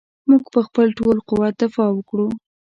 موږ به په خپل ټول قوت دفاع وکړو.